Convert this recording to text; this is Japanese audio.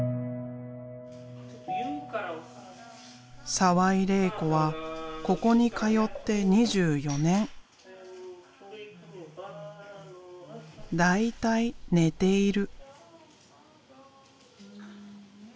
澤井玲衣子はここに通って２４年。大体寝ている。